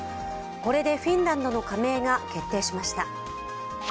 これでフィンランドの加盟が決定しました。